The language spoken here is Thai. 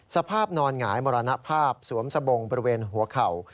สภาพนอนหงายมรณภาพสวมสบงบริเวณหัวเข่า